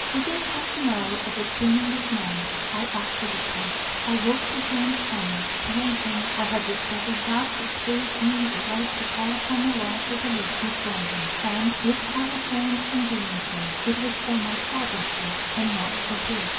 Within half an hour of obtaining this knowledge, I acted upon it. I wrote to James Conyers, telling him I had discovered that which gave me the right to call upon the law to release me from him; and if I refrained from doing so, it was for my father's sake, and not for his.